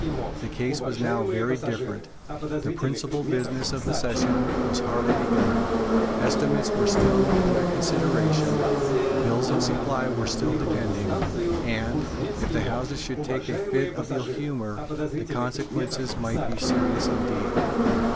The case was now very different. The principal business of the session was hardly begun: estimates were still under consideration: bills of supply were still depending; and, if the Houses should take a fit of ill humour, the consequences might be serious indeed.